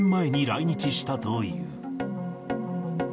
１年前に来日したという。